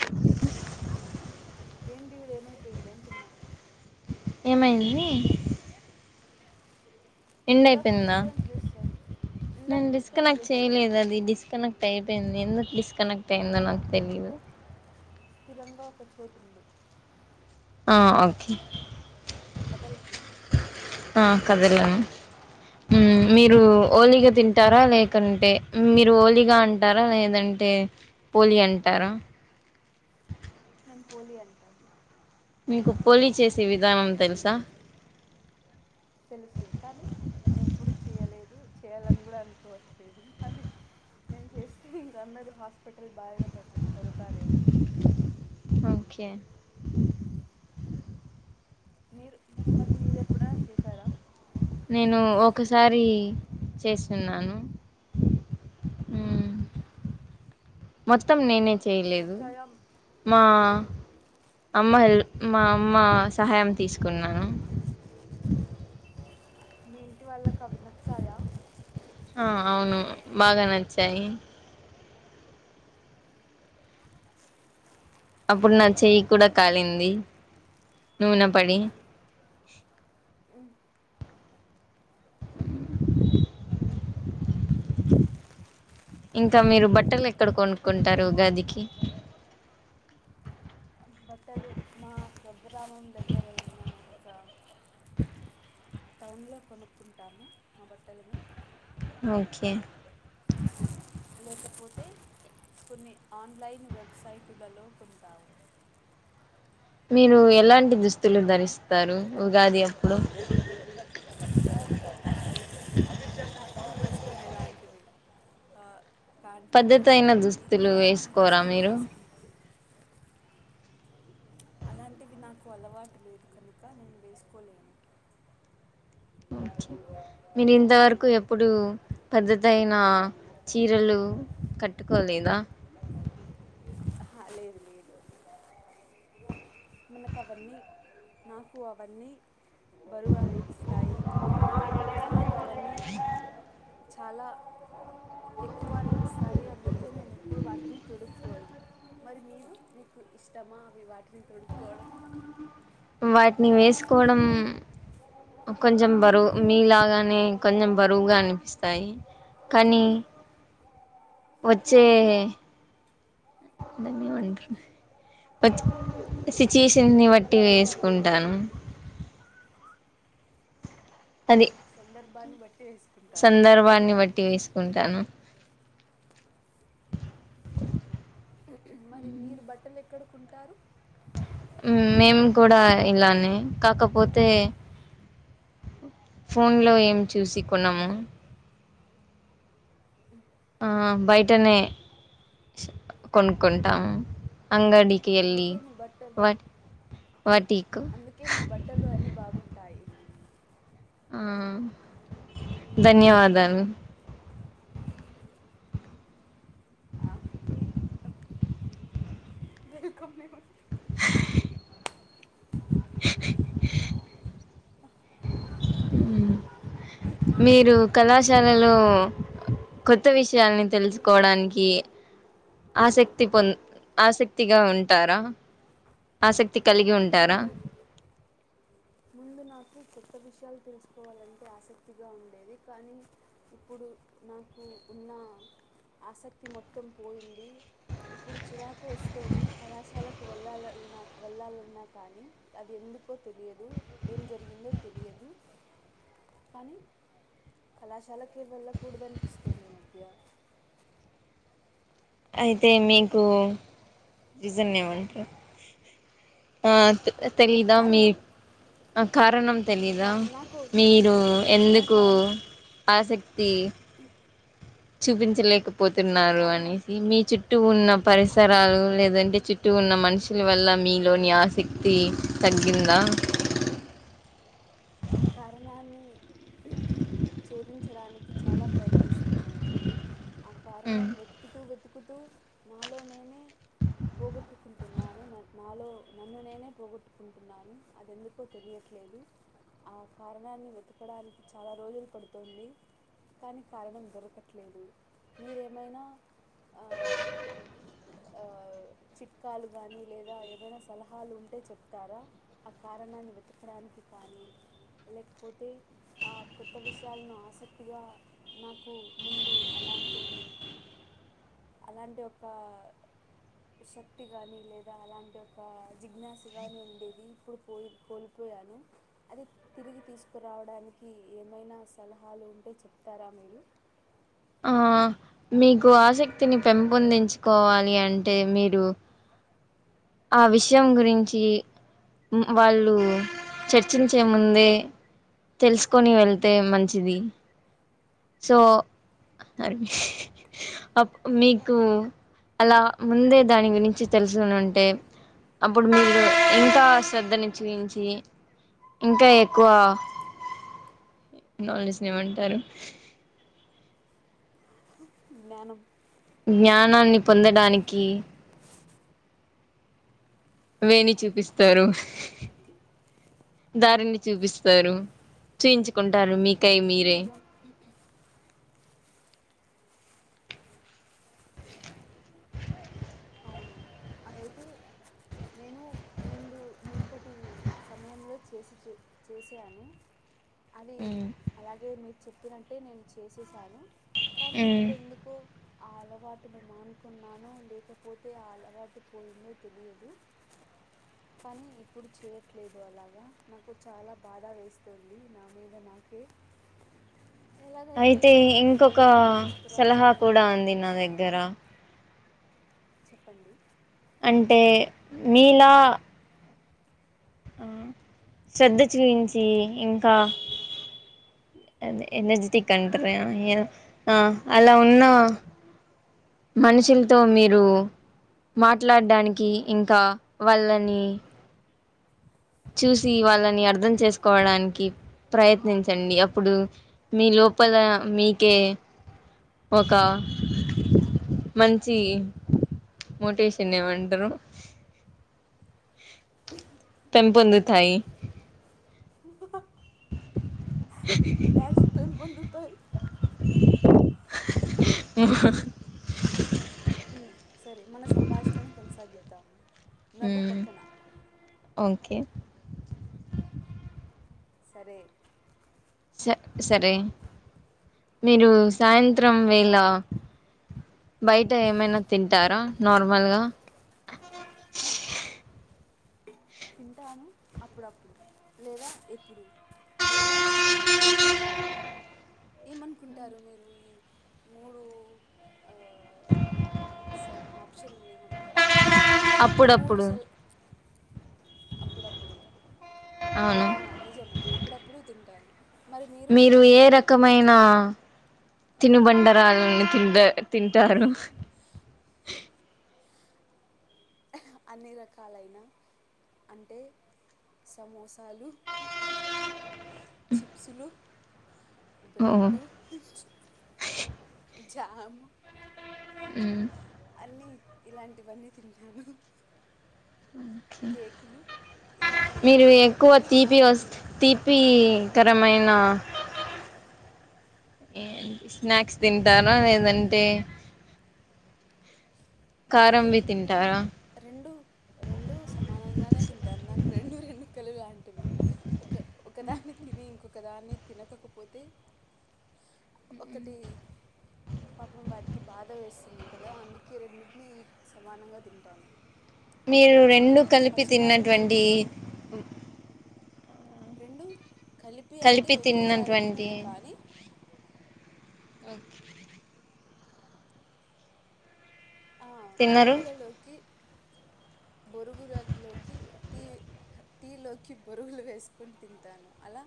తుంది ఏంది ఈవిడ ఏమైపెంది అంటున్న ఏమైంది ఎండ్ ఇందాక అయిపోయిందా డిస్కనెక్ట్ చేసావు ఇందాక నేను డిస్కనెక్ట్ చేసావు కదా చేయలేదు అది డిస్కన టైపోయింది ఎందుకు డిస్కనెక్ట్ అయిందో నాకు తెలిదు స్థిరంగా ఒక చోటు ఆ ఓకే కదలకు ఆ కదలను ఉ మీరు మ్మ్. ఓలిగా తిం టారా లేకుంటే మీరు ఓలిగా అంటారా లేదంటే పోలి అంటారా మేము పోలి అంటాం మీకు పోలి చేసే విధానం తెలుసా తెలుసు కానీ నేను ఎప్పుడు చేయలేదు చేయాలని కూడా అనుకోవట్లేదు అది నేను చేస్తే ఇంక అందరు హాస్పిటల్ బారీనా పడుతారేమో ఓకే మీరు మరి మీరు ఎప్పుడైనా చేసారా నేను ఒక్కసారి చేసిన్నాను అ మొత్తం నేనే చేయలేదు నచ్చాయా మా అమ్మ హెల్ప్ మా అమ్మ సహాయం తీసుకున్నాను [inaudible] మీ ఇంటి వాళ్ళకు అవి నచ్చాయ ఆ అవును బాగా నచ్చాయి అప్పుడు నా చెయ్యి కూడా కాలింది నూనే పడి ఉ [inaudible] ఇంకా మీరు బట్టలు ఎక్కడ కొనుక్కుంటారు ఉగాదికి బట్టలు మా స్వగ్రామం దగ్గర ఉన్న ఒక టౌన్ లో కొనుక్కుంటాము మా బట్టలను ఓకే లేకపోతే కొన్ని ఆన్లైన్ వెబ్సైటులలో కొంటాము నేను ఎలాంటి దుస్తులు ధరిస్తారు ఉగాది అప్పుడు [inaudible] ఎప్పుడూ వేసుకునేలాంటివి ఆ ప్యాంటు పద్ధతి అయిన కుర్తా ఇ దుస్తులు ఇలాంటి వేసుకోరా దుస్తులే మీరు వేసుకుంటాం అలాంటివి నాకు అలవాటు లేదు కనుక నేను వేసుకోలేను ఒకే నేను ఇంతవరకు ఎప్పుడు పద్దతైన చీరలు కట్టుకోలేదా ఆహ లేదు లేదు మనకు అవన్నీ నాకు అవన్నీ బరువు అనిపిస్తాయి నాకు అవ్వని చాలా ఎక్కువ అనిపిస్తాయి అందుకే నేను ఎప్పుడు వాటిని తొడుకోను మరి మీరు మీకు ఇష్టమా అవి వాటిని తొడు కోవడం వాటిని వేసుకోవడం కొంచెం బరువు మీలాగానే కొంచెం బరువుగా అనిపిస్తాయి కానీ వచ్చే దనేవాడు వచ్ సిచ్యుయేషన్ ని బట్టి వేసుకుంటాను అది సందర్భాన్ని బట్టి వేసుకుంటారా సందర్భాన్ని బట్టి వేసుకుంటాను ఆహా మరి మీరు బట్టలు ఎక్కడ కొంటారు మేము కూడా ఇలానే కాకపోతే ఫోన్ లో ఏం చూసి కొన్నము ఆ బయటనే కొనుక్కుంటాము అంగడి అందుకే మీ బట్టల్ అందుకి వాటికు అందుకే మీ బట్టలు అన్ని బాగుంటాయి ఆ ధన్యవాదాలు ఆ మీ వెల్కమ్ [inaudible] మీరు కళాశ శాలలో కొత్త విషయాలని తెలుసుకోవడానికి ఆసక్తి పొంద ఆసక్తిగా ఉంటారా ఆసక్ తి కలిగి ఉంటారా ముందు ముందు నాకు కొత్త విషయాలు తెలుసుకోవాలంటే ఆసక్తిగా ఉండేది కానీ ఇప్పుడు నా కు ఉన్న ఆసక్తి మొత్తం పోయింది ఇప్పుడు చిరాకు వస్తుంది కళాశాలకు వెళ్లాలన్నా వెళ్ళాలన్నా కానీ అది ఎ ఎందుకో తెలియదు ఏం జరిగిందో తెలియదు కానీ కళాశాలకే వెళ్ళకూడదనిపిస్తుంది ఈ మధ్య అయితే మీకు రీజన్ ఏమంటరు ఆ తె తె తెలిదా మీ కారణం ఆ కారణం తెలీదా కా నాకు మీరు ఎందుకు నాకు ఆసక్తి ఆ చూపించలేకపోతున్నారు అనేసి కారణాన్ని మీ చుట్టూ ఉన్న పరిసరాలు లేదంటే చుట్టూ ఉన్న మనుషుల వల్ల మీ లోని ఆసక్తి తగ్గిందా ఆ కారణాన్ని ఛేదించడానికి చాలా ప్రయత్నిస్తున్నాను నేను ఆ కారణం వెతుకుతూ వెతుకుతూ నాలో నేనే పోగొట్టుకుంటున్నాను నాలో నన్ను నేనే పోగొట్టుకుంటున్నాను అది ఎందుకో తెలియట్లే లేదు ఆ కారణాన్ని వెతకడానికి చాలా రోజులు పడుతుంది దానికి కారణం దొరకట్లేదు మీరేమైనా ఆ చిట్కాలు గాని లేదా ఏవైనా సలహాలు ఉంటే చెప్తారా అ కారణాన్ని వెతకడానికి కానీ లేకపోతే ఆ కొత్త విషయాలను ఆసక్తిగా నాకు ముందు అలా అలాంటి ఒక శక్తి గాని లేదా అలాంటి ఒక జిజ్ఞాసగాని ఉండేది ఇప్పుడు పోయి కోల్పో పోయాను. అదే తిరిగి తీసుకురావడానికి ఏమైనా సలహాలు ఉంటే చెప్తారా మీరు? ఆ మీకు ఆసక్తిని పెంపొందించుకోవాలి అంటే, మీరు ఆ విషయం గురించి వాళ్ళు చర్చించే ముందే, తెలుసుకొని వెళ్తే మంచిది. సో అ అప్ నీకు అలా ముందే దాని గురించి తెలుసుకొనుంటే, అప్పుడు మీరు ఇంకా శ్రద్ధను చూయించి, ఇంకా ఎక్కువ నాలెడ్జ్ నెమంటారు? జ్ఞానం జ్ఞానాన్ని పొందడానికి, వేణి చూపిస్తారు. దారిని చూపిస్తారు. చూయించుకుంటారు మీక్ అది నిజం. అవును [unintelligible] అదైతే, నేను ముందు, మునుపటి సమయంలో చేసి చేసాను. అది అలాగే, మీరు చెప్పినట్టే నేను చేసేసాను. కానీ మ్మ్ ఇప్పుడు ఎందుకో, ఆ అలవాటును మానుకున్నానో లేక పోతే ఆ అలవాటు పోయిందో తెలియదు. కాని ఇప్పుడు చేయట్లేదు అలాగ. నాకు చాలా బాధ వేస్తుంది నా మీద నా కె అయితే, ఇంకొక మళ్ళీ సలహా తీసుకురావడానికి కూడ అంది నా ప్రయత్నిస్తాను దగ్గర. చెప్పండి. అంటే, మీలా ఆ శ్రద్ధ చూయించి, ఇంకా ఎన్ఎస్డి కంపర్య ఏదొ. ఆ అలా ఉన్న మనుషులతో మీరు, మాట్లాడడానికి ఇంకా వాళ్ళని చూసి వాళ్ళని అర్థం చేసుకోవడానికి ప్రయత్నించండి. అప్పుడు మీ లోపల మీకే, ఒక మంచి మోటివేషన్ ఏమంటారు? పెంపొందుతాయి. ఇ బ్యాట్స్ పెంపొదుతాయి. డ్యూడ్, సరే. మన సంభాషణను కొనసాగిద్దాం. నవ్వు పక్కన ఓకె సరే స సరే. మీరు సాయంత్రం, వేళ బయట ఏమైనా తింటారా నార్మల్గా? తింటాను అప్పుడప్పుడు. లేదా ఎప్పుడు. లేదా ఎప్పుడు కాదు. ఏమనుకుంటారు మీరు ఈ మూడు అ సో ఆప్షన్ నిమంటంటారు అప్పుడప్పుడు అప్పుడప్పుడు అప్పుడు అవును ఆ నిజమే అప్పుడప్పుడు తింటాను మీరు ఏ రకమైన తినుబండరాలని తి తింటారు [unintelligible] అన్ని రకాలైన అంటే సమోసాలు చిప్సులు ఓ బ్రెడ్ జమ్ హ్మ్ అన్నీ ఇలాంటివన్నీ తింటాను కేకులు ఇలాంటివన్నీ మీరు తింటాను ఎక్కువ మీకు తీపి వస్త తీపి ఇ కరమైన ఏటి స్నాక్స్ తింటాన లేదంటే కారంవి నేను తింటారా రెండు రెండు సమానంగానే తింటాను నాకు రెండు రెండు ముక్కలు లాంటివి ఒక ఒకదాన్ని తిని ఇంకొకదాన్ని తినకకపోతే [inaudible] ఒకటి పాపం వాటికి బాధ వేస్తుంది కదా అందుకే రెండింటినీ సమానంగా తింటాను మీరు నేను రెండు కలిపి పక్షపాతం తిన్నటువంటి చూపించను రెండు కలిపి అంటే ఒకేసారి తినను కానీ ఓకే ఆ తిన్నారు బొరుగులలోకి బొరుగులలోకి టీ టీలోకి బొరుగులు వేసుకొని తింటాను అలా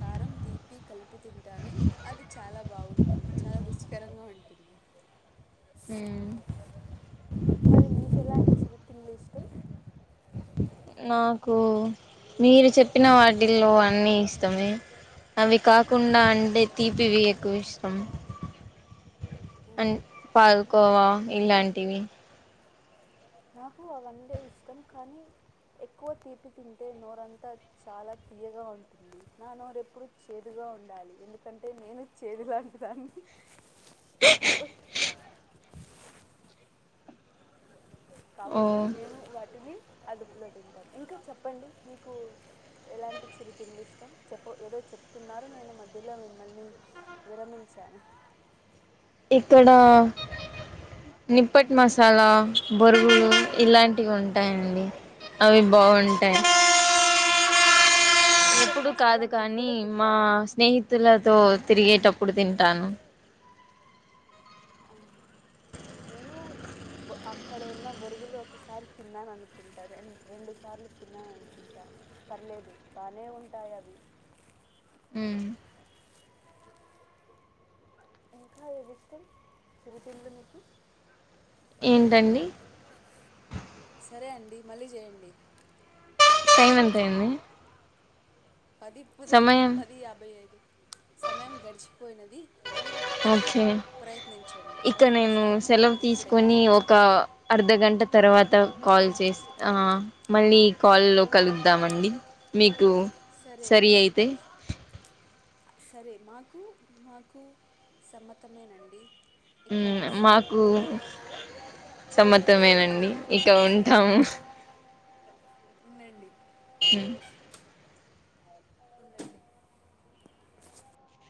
కారం తీపి కలిపి తింటాను అది చాలా బాగుంటుంది చాలా రుచికరంగా ఉంటుంది హ్మ్మ్ మరి మీకు ఎలాంటి చిరుత్తిండ్లు ఇష్టం నాకు మీరు చెప్పిన వాటిల్లో అన్ని ఇష్టమే అవి కాకుండా అంటే తీపివి ఎక్కువ ఇష్టం న్డ్ పాల్కోవా ఇలాంటివి నాకు అవంటే ఇష్టం కానీ ఎక్కువ తీపి తింటే నోరంతా చాలా తీయగా ఉంటుంది నా నోరుప్పుడు చేదుగా ఉండాలి ఎందుకంటే నేను చేదు లాంటి దాన్ని [unintelligible] ఓ కాబట్టి నేను వాటిని అదుప్పులో తింటారు, ఇంకా చెప్పండి నీకు ఎలాంటి చిరు తిండ్లు ఇష్టం చెప్ప, ఏదో చెప్ చెప్తున్నారు నేను మధ్యలో మిమ్మల్ని విరమించా ఇక్కడా నిప్పటి మసాలా బొరుగులు ఇలాంటివి ఉంటాయండి అవి బాగుంటాయి ఆ, నిప్పటి ఇప్పుడు మసాలా కాదు మీరు కానీ కూడా మా తింటారా స్నేహితులతో తిరిగేటప్పుడు ఇప్పుడు తింటాను ఓహో నేను అక్కడ ఉన్న బురుగులు ఒకసారి తిన్నాను అనుకుంట రెండు సార్లు తిన్నాను అనుకుంటాను పర్లేదు బానే ఉంటాయి అవి హ్మ్మ్ ఇంకా ఏదిష్టం చిరుతిండ్లు మీకు ఏంటండి సరే అండి మళ్ళీ చేయండి టైం ఎంత అయింది పది పదైదు సమయం పది యాభై ఐదు సమయం గడిచిపోయినది మీరు తిరిగి ఓకే ప్రయత్నించండి ఇక నేను ఇంకొకసారీ సెలవు ఇప్పుడే తీసుకొని ఒక అర్ధగంట తర్వాత కాల్ చెస్ ఆ మళ్ళీ కాల్లో కలుద్దామండి మీకు సరే సరి అండి అయితే సరే మాకు మాకు సమ్మతమేనండి ఇక హ్మ్మ్ సెలవు మాకు సమత్తమేనండి ఇక ఉం టం ఉండండి ఉండండి